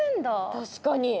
確かに。